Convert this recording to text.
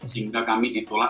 sehingga kami ditolak